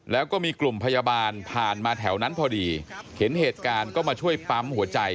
แล้วก็มีกลุ่มพยาบาลผ่านมาแถวนั้นพอดีเห็นเหตุการณ์ก็มาช่วยปั๊มหัวใจ